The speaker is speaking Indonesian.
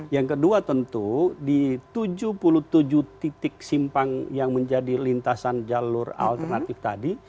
yang kedua tentu di tujuh puluh tujuh titik simpang yang menjadi lintasan jalur alternatif tadi